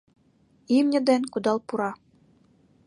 Имне ден кудал пура.